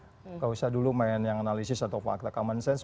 tidak usah dulu main yang analisis atau fakta common sense